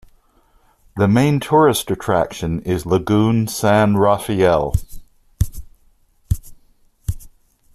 The main tourist attraction is Lagoon San Rafael.